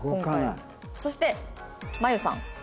そしてまゆさん。